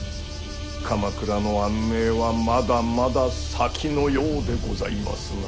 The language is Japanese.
鎌倉の安寧はまだまだ先のようでございますな。